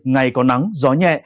ngày có nắng gió nhẹ